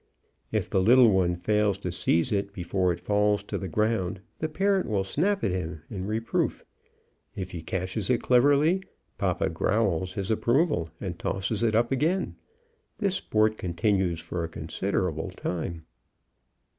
If the little one fails to seize it before it falls to the ground, the parent will snap at him in reproof. If he catches it cleverly, papa growls his approval, and tosses it up again. This sport continues for a considerable time.